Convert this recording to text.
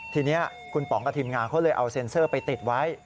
ทีนี้คุณป๋องกับทีมงานเขาเลยเอาเซ็นเซอร์ไปติดไว้